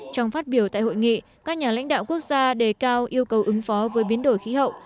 trong phát biểu tại hội nghị các nhà lãnh đạo quốc gia đề cao yêu cầu ứng phó với biến đổi khí hậu